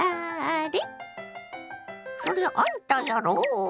そりゃあんたやろ。